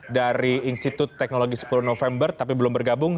dari institut teknologi sepuluh november tapi belum bergabung